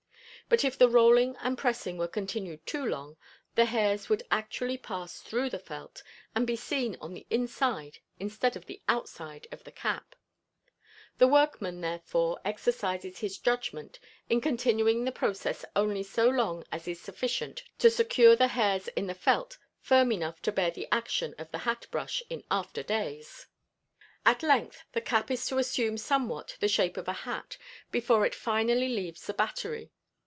But if the rolling and pressing were continued too long, the hairs would actually pass through the felt, and be seen on the inside instead of the outside of the cap; the workman therefore exercises his judgment in continuing the process only so long as is sufficient to secure the hairs in the felt firm enough to bear the action of the hat brush in after days. At length the cap is to assume somewhat the shape of a hat, before it finally leaves the "battery."